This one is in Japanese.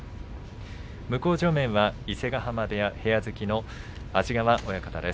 向正面には伊勢ヶ濱部屋部屋付きの安治川親方です。